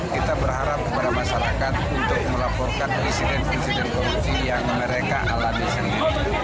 kita berharap kepada masyarakat untuk melaporkan insiden insiden korupsi yang mereka alami sendiri